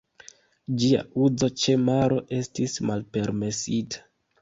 Ĝia uzo ĉe maro estis malpermesita.